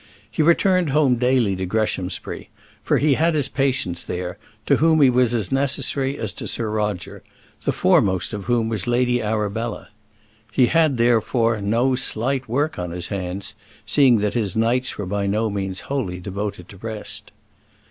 He returned home daily to Greshamsbury; for he had his patients there, to whom he was as necessary as to Sir Roger, the foremost of whom was Lady Arabella. He had, therefore, no slight work on his hands, seeing that his nights were by no means wholly devoted to rest.